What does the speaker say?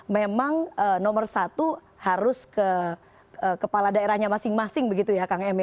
memang nomor satu harus ke kepala daerahnya masing masing begitu ya kang emil